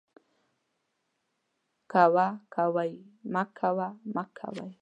کوه ، کوئ ، مکوه ، مکوئ